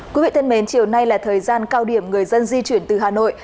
quý vị thân mến chiều nay là thời gian cao điểm người dân di chuyển từ hà nội